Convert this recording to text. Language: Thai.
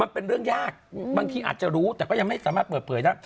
มันเป็นเรื่องยากบางทีอาจจะรู้แต่ก็ยังไม่สามารถเปิดเผยได้